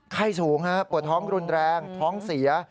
ไข้สูงครับปวดท้องกลุ่นแรงท้องเสีย